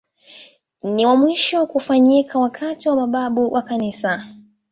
Ni wa mwisho kufanyika wakati wa mababu wa Kanisa.